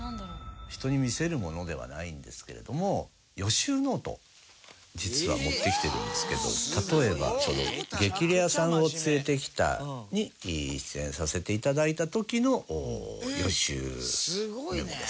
人に見せるものではないんですけれども予習ノート実は持ってきてるんですけど例えば『激レアさんを連れてきた。』に出演させて頂いた時の予習メモです。